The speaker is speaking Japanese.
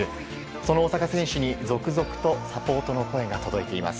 その大坂選手に続々とサポートの声が届いています。